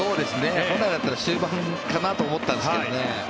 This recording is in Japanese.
本来だったら終盤かなと思ったんですけどね。